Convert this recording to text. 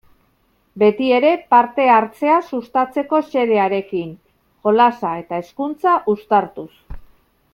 Beti ere parte-hartzea sustatzeko xedearekin, jolasa eta hezkuntza uztartuz.